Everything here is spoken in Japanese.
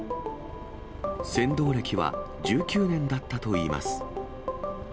船頭歴は１９年だったといいます。